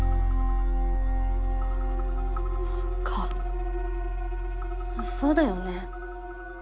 そうかそうだよね。